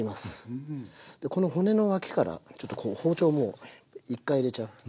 この骨の脇からちょっとこう包丁もう１回入れちゃう。